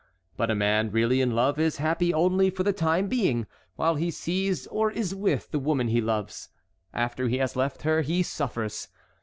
But a man really in love is happy only for the time being, while he sees or is with the woman he loves. After he has left her he suffers.